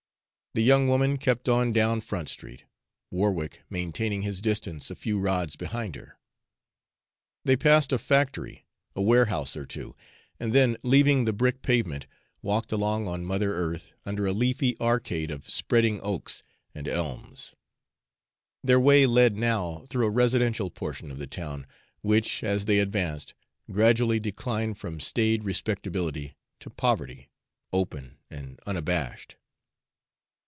The young woman kept on down Front Street, Warwick maintaining his distance a few rods behind her. They passed a factory, a warehouse or two, and then, leaving the brick pavement, walked along on mother earth, under a leafy arcade of spreading oaks and elms. Their way led now through a residential portion of the town, which, as they advanced, gradually declined from staid respectability to poverty, open and unabashed.